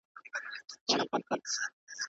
د دښمن په مقابل کې ویښ اوسئ.